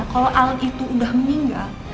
kalau al itu udah meninggal